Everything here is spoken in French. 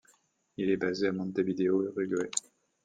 Il est basé à Montevideo, Uruguay.